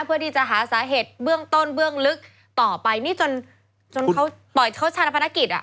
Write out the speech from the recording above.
เพื่อที่จะหาสาเหตุเบื้องต้นเบื้องลึกต่อไปนี่จนปล่อยเขาชาติภารกิจ